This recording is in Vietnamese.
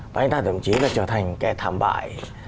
và anh ta đồng chí là trở thành kẻ thảm bại